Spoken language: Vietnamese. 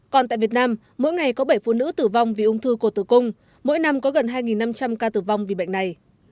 còn tại việt nam mỗi ngày có bảy phụ nữ tử vong vì ung thư cổ tử cung mỗi năm có gần hai năm trăm linh ca tử vong vì bệnh này